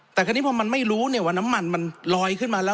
แต่คราวนี้พอมันไม่รู้เนี่ยว่าน้ำมันมันลอยขึ้นมาแล้ว